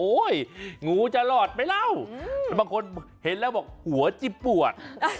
โอ๊ยงูจะรอดไปแล้วบางคนเห็นแล้วบอกหัวจิบปวด